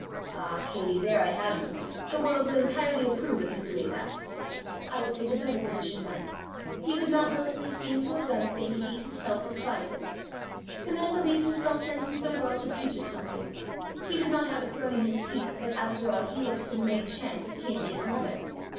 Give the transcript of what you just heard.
"Ah, Katey, there I have you! The world would entirely approve of his doing that!" "I will take a better position then: he would not willingly seem to have done a thing he himself despises. The man believes himself sent into the world to teach it something: he would not have it thrown in his teeth that, after all, he looks to the main chance as keenly as another!